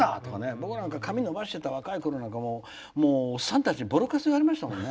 僕なんか髪伸ばしてた若いころなんておっさんたちにボロカス言われましたからね。